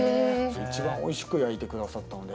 一番おいしく焼いてくださったので。